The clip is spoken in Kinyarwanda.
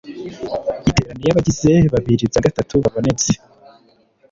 iterana iyo abagize bibiri bya gatatu babonetse